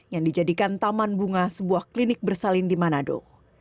yang dijadikan taman bunga sebuah klinik bersalin di manado